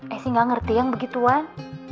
esi gak ngerti yang begituan